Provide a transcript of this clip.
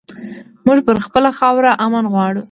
مونږ پر خپله خاوره امن غواړو